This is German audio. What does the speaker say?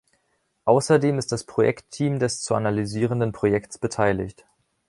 Außerdem ist das Projektteam des zu analysierenden Projekts beteiligt.